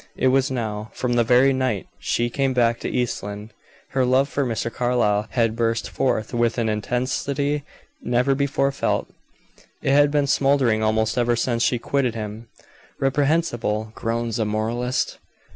It was now. From the very night she came back to East Lynne, her love for Mr. Carlyle had burst forth with an intensity never before felt. It had been smoldering almost ever since she quitted him. "Reprehensible!" groans a moralist.